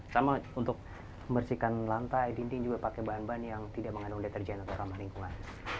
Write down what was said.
sama untuk membersihkan lantai dinding juga pakai bahan bahan yang tidak mengandung deterjen atau ramah lingkungan